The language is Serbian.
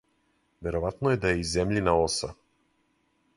Вероватно је да је и земљина оса